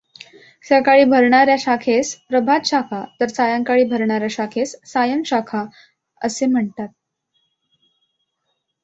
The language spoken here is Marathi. सकाळी भरणाऱ्या शाखेस प्रभातशाखा तर सायंकाळी भरणाऱ्या शाखेस सायंशाखा असे म्हणतात.